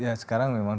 ya sekarang memang